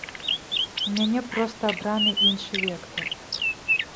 У мяне проста абраны іншы вектар.